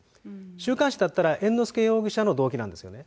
週刊誌だったら、猿之助容疑者の動機なんですよね。